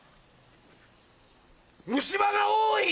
虫歯が多い！